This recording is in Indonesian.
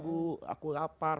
bu aku lapar